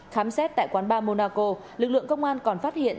khám xét tại quán ba monaco lực lượng công an còn phát hiện